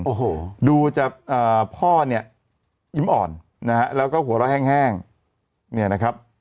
โอ้โหดูจากพ่อเนี่ยยิ้มอ่อนนะฮะแล้วก็หัวเราะแห้งเนี่ยนะครับ